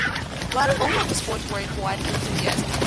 But all on the spot were quite enthusiastic.